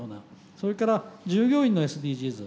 それから従業員のＳＤＧｓ。